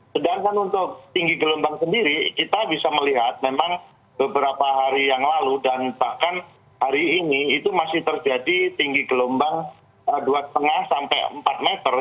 sedangkan untuk tinggi gelombang sendiri kita bisa melihat memang beberapa hari yang lalu dan bahkan hari ini itu masih terjadi tinggi gelombang dua lima sampai empat meter